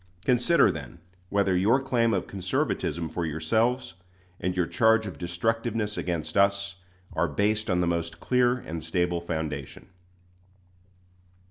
Consider, then, whether your claim of conservatism for yourselves, and your charge of destructiveness against us, are based on the most clear and stable foundation.